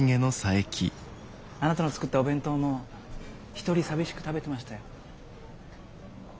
あなたの作ったお弁当も一人寂しく食べてましたよ。